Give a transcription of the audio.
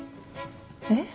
えっ？